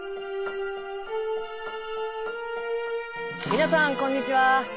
皆さんこんにちは。